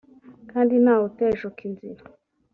kandi nta wuteshuka inzira